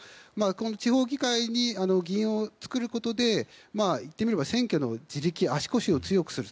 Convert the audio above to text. この地方議会に議院を作ることでいってみれば選挙の地力足腰を強くする。